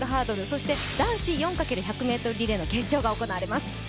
そして男子４×１００ｍリレーの決勝が行われます。